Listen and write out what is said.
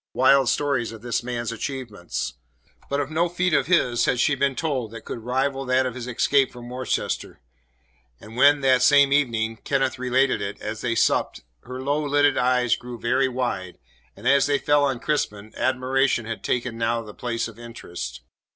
wild stories of this man's achievements. But of no feat of his had she been told that could rival that of his escape from Worcester; and when, that same evening, Kenneth related it, as they supped, her low lidded eyes grew very wide, and as they fell on Crispin, admiration had taken now the place of interest.